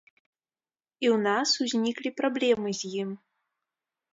І ў нас узніклі праблемы з ім.